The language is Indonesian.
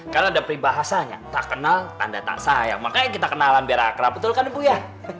karena ada perbahasanya tak kenal tanda tak sayang makanya kita kenalan berakra betul kan ibu ya